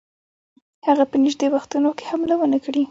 هغه په نیژدې وختونو کې حمله ونه کړي.